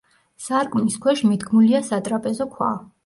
სარკმლის ქვეშ მიდგმულია სატრაპეზო ქვა.